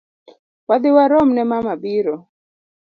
Wadhi waromne mama biro.